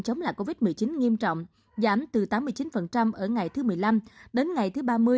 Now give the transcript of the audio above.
chống lại covid một mươi chín nghiêm trọng giảm từ tám mươi chín ở ngày thứ một mươi năm đến ngày thứ ba mươi